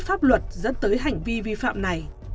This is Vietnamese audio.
pháp luật dẫn tới hành vi vi phạm này